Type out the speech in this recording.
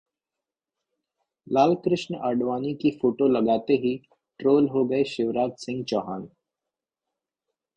लाल कृष्ण आडवाणी की फोटो लगाते ही ट्रोल हो गए शिवराज सिंह चौहान